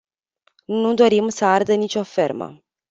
Nu dorim să ardă nicio fermă.